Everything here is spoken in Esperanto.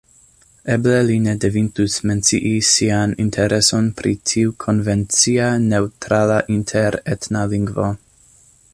Eble li ne devintus mencii sian intereson pri tiu konvencia neŭtrala interetna lingvo.